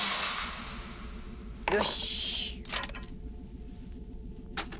よし。